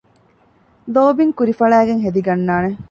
ލޯބިން ކުރި ފަޅައިގެން ހެދިގަންނާނެ